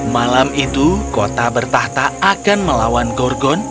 malam itu kota bertahta akan melawan gorgon